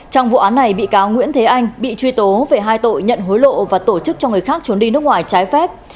trong vụ án này bị cáo nguyễn thế anh bị truy tố về hai tội nhận hối lộ và tổ chức cho người khác trốn đi nước ngoài trái phép